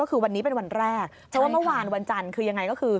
ก็คือวันนี้เป็นวันแรกเพราะว่าเมื่อวานวันจันทร์คือยังไงก็คือ